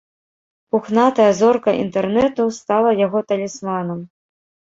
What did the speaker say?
Пухнатая зорка інтэрнэту стала яго талісманам.